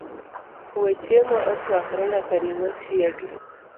we chiemo ochwakre nyaka ring'o chiegi